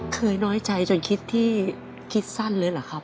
น้อยใจจนคิดที่คิดสั้นเลยเหรอครับ